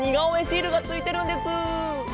シールがついてるんです。